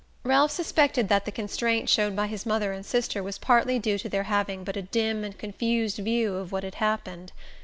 Ralph suspected that the constraint shown by his mother and sister was partly due to their having but a dim and confused view of what had happened.